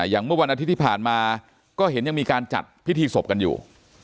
เมื่อวันอาทิตย์ที่ผ่านมาก็เห็นยังมีการจัดพิธีศพกันอยู่